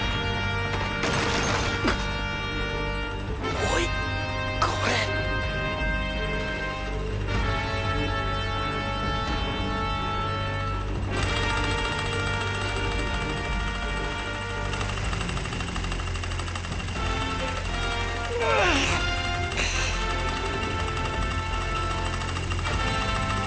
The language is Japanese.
おいこれううッ！